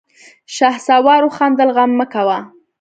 شهسوار وخندل: غم مه کوه!